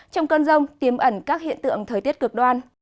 trong cơn rông tiêm ẩn các hiện tượng thời tiết cực đoan